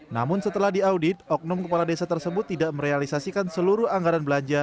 namun setelah diaudit oknum kepala desa tersebut tidak merealisasikan seluruh anggaran belanja